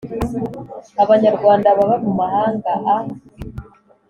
abanyarwanda baba mu mahanga a